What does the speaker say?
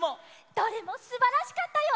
どれもすばらしかったよ！